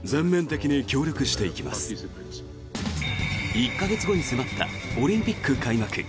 １か月後に迫ったオリンピック開幕。